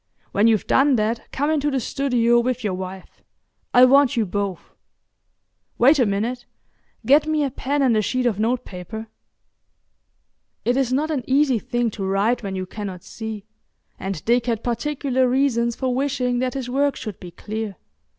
When you've done that come into the studio with your wife. I want you both. Wait a minute; get me a pen and a sheet of notepaper." It is not an easy thing to write when you cannot see, and Dick had particular reasons for wishing that his work should be clear.